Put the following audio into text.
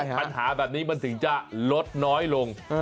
ปัญหาแบบนี้มันถึงจะลดน้อยลง